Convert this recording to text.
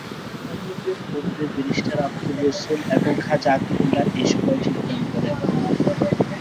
অন্যান্যদের মধ্যে ব্যারিস্টার আবদুর রসুল এবং খাজা আতিকুল্লাহ এ সভায় যোগদান করেন।